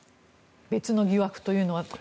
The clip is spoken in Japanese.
別の疑惑というのは？